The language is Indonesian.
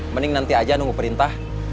mending nanti aja nunggu perintah